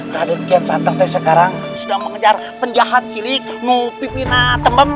raden kian santang sekarang mengejar penjahat yang membuat pimpinan